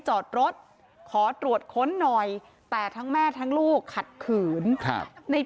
จอดรถขอตรวจค้นหน่อยแต่ทั้งแม่ทั้งลูกขัดขืนครับใน